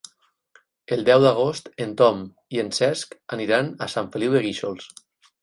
El deu d'agost en Tom i en Cesc aniran a Sant Feliu de Guíxols.